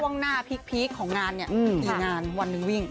ช่วงหน้าพีคของงานนี่